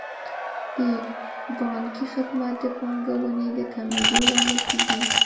د پانګې کمښت د پانګونې د کمېدو لامل کیږي.